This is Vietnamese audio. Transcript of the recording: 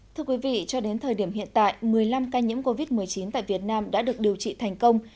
thưa quý vị cho đến thời điểm hiện tại một mươi năm ca nhiễm covid một mươi chín tại việt nam đã được điều trị thành công